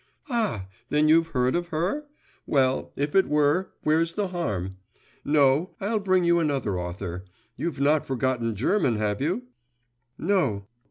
'Ah! then you've heard of her? Well, if it were, where's the harm?… No, I'll bring you another author. You've not forgotten German, have you?' 'No.